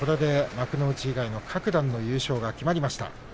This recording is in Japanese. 幕内以外は各段の優勝が決まりました。